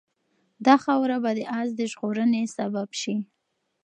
دا خاوره به د آس د ژغورنې سبب شي.